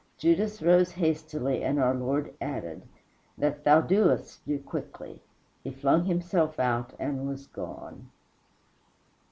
Judas rose hastily, and our Lord added, "That thou doest, do quickly." He flung himself out and was gone.